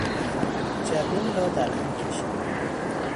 جبین را در هم کشید.